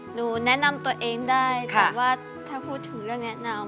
หนูแนะนำตัวเองได้แต่ว่าถ้าพูดถึงเรื่องแนะนำ